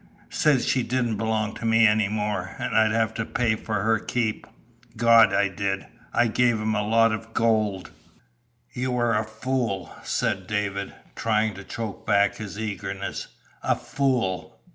said she didn't belong to me any more, an' I'd have to pay for her keep! Gawd, I did. I gave him a lot of gold!" "You were a fool," said David, trying to choke back his eagerness. "A fool!"